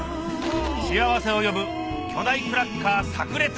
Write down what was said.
幸せを呼ぶ巨大クラッカーさく裂！